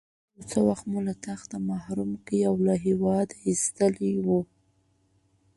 یو څه وخت مو له تخته محروم کړی او له هېواده ایستلی وو.